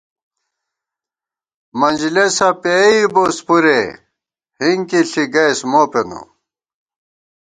منجلېسہ پېئی بوس پُرے، ہِنکی ݪی گَئیس مو پېنہ